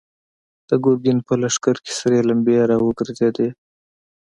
د ګرګين په لښکر کې سرې لمبې را وګرځېدې.